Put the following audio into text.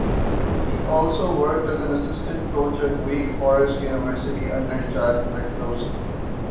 He also worked as an assistant coach at Wake Forest University under Jack McCloskey.